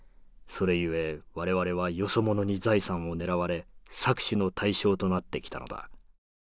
それゆえ我々はよそ者に財産を狙われ搾取の対象となってきたのだ。